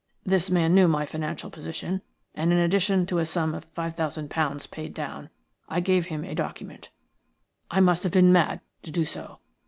This man knew my financial position, and, in addition to a sum of £5,000 paid down, I gave him a document. I must have been mad to do so.